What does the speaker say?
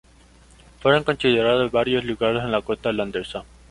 Fueron considerados varios lugares en la costa holandesa.